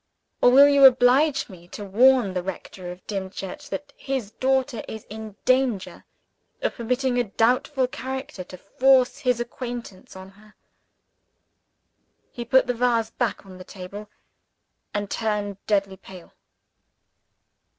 Or will you oblige me to warn the rector of Dimchurch that his daughter is in danger of permitting a doubtful character to force his acquaintance on her?" He put the vase back on the table, and turned deadly pale.